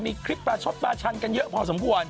มีคลิปปลาชดปลาชันกันเยอะพอสมควร